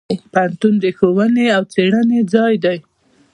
پوهنتون د ښوونې او څیړنې ځای دی.